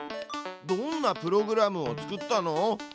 どんなプログラムを作ったの？